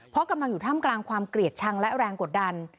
เพราะกำลังอยู่ท่ามกลางความเกลียดชังและแรงกดดัน